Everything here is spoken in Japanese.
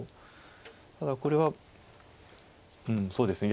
ただこれはうんそうですね。